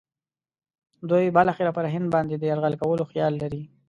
دوی بالاخره پر هند باندې د یرغل کولو خیال لري.